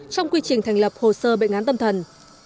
trong quy trình thành lập hồ sơ bệnh án tâm thần